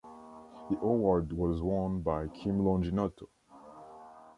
The award was won by Kim Longinotto.